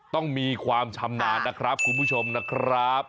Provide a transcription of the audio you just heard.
ต้องมีความชำนาญนะครับคุณผู้ชมนะครับ